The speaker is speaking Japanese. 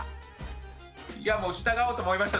いやもう従おうと思いました